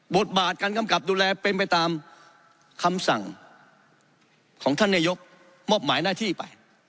บทบาทการกำกับดูแลเป็นไปตามคำสั่งของท่านนายกมอบหมายหน้าที่ไป